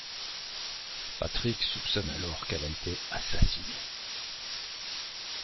Patrik soupçonne alors qu'elle a été assassinée.